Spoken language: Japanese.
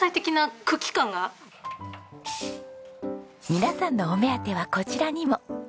皆さんのお目当てはこちらにも。